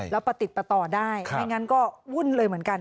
แล้วประติดประต่อได้ไม่งั้นก็วุ่นเลยเหมือนกัน